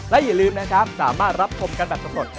และอย่าลืมนะครับสามารถรับชมกันแบบสำรวจ